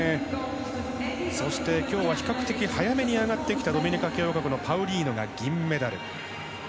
そして今日は比較的早めに上がってきたドミニカ共和国のパウリーノが銀メダル。